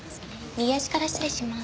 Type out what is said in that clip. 右足から失礼します。